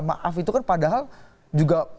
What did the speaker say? maaf itu kan padahal juga